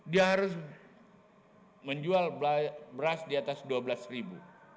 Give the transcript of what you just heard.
dia harus menjual beras di atas dua belas ribu